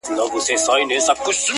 هم داسي ستا دا گل ورين مخ_